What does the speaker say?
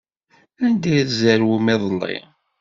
Anda ay tzerwem iḍelli?